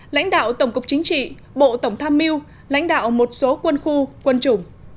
lãnh đạo tổng cục chính trị bộ tổng tham mưu lãnh đạo một số quân khu quân chủng